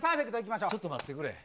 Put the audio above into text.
ちょっと待ってくれ。